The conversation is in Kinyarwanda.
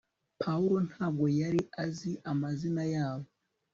pawulo ntabwo yari azi amazina yabo